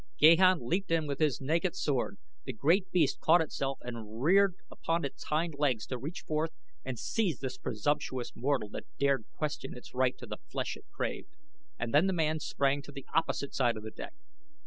Gahan leaped in with his naked sword; the great beast caught itself and reared upon its hind legs to reach forth and seize this presumptuous mortal that dared question its right to the flesh it craved; and then the man sprang to the opposite side of the deck.